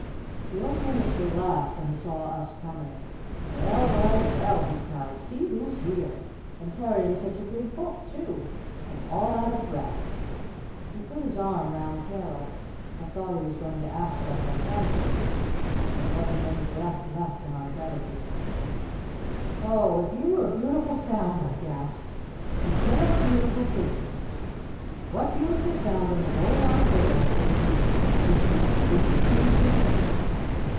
The Old Minister laughed when he saw us coming. "Well Well Well!" he cried. "See who's here! And carrying such a big book too! And all out of breath!" He put his arm round Carol. I thought he was going to ask us our Catechisms. And there wasn't any breath left in our catechisms. "Oh, if you were a Beautiful Sound," I gasped, "instead of a Beautiful Preacher what Beautiful Sound in the whole wide world would you would you choose to be?"